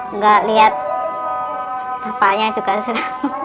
enggak lihat bapaknya juga senang